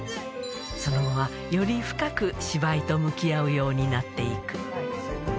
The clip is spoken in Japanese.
その後はより深く芝居と向き合うようになっていく。